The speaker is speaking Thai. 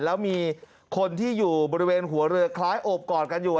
แล้วมีคนที่อยู่บริเวณหัวเรือคล้ายโอบกอดกันอยู่